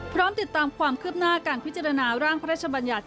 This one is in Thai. พร้อมติดตามความคืบหน้าการพิจารณาร่างพระราชบัญญัติ